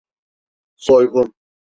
Soygun…